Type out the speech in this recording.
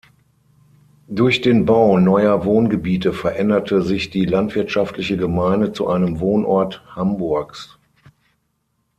Durch den Bau neuer Wohngebiete veränderte sich die landwirtschaftliche Gemeinde zu einem Wohnvorort Hamburgs.